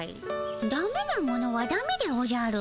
ダメなものはダメでおじゃる。